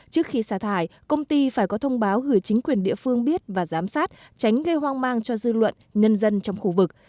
trước khi xả thải công ty phải có thông báo gửi chính quyền địa phương biết và giám sát tránh gây hoang mang cho dư luận nhân dân trong khu vực